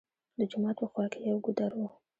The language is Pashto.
د جومات په خوا کښې يو ګودر وو